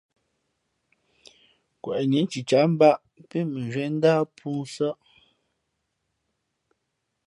Kweꞌnǐ cicǎh mbāꞌ pí mʉnzhwíé ndáh pōō nsάʼ.